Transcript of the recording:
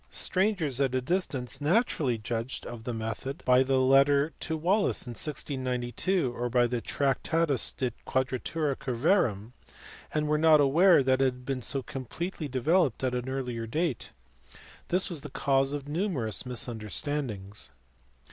Strangers at a distance naturally judged of the method by the letter to Wallis in 1692, or by the Tractatus de Quadratures Curvarum, and were not aware that it had been so completely developed at an earlier date. This was the cause of numerous misunderstandings.